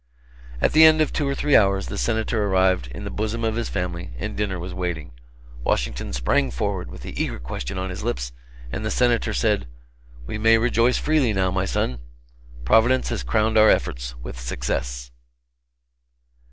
At the end of two or three hours the Senator arrived in the bosom of his family, and dinner was waiting. Washington sprang forward, with the eager question on his lips, and the Senator said: "We may rejoice freely, now, my son Providence has crowned our efforts with success."